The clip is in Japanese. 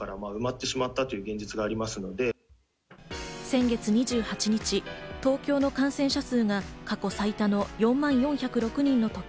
先月２８日、東京の感染者数が過去最多の４万４０６人の時、